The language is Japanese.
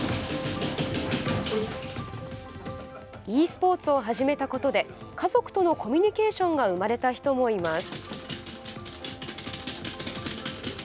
ｅスポーツを始めたことで家族とのコミュニケーションが生まれた人もいます。